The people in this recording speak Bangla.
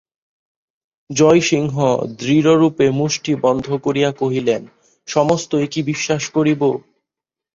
জয়সিংহ দৃঢ়রূপে মুষ্টি বদ্ধ করিয়া কহিলেন, সমস্তই কি বিশ্বাস করিব?